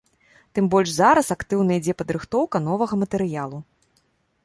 Тым больш зараз актыўна ідзе падрыхтоўка новага матэрыялу.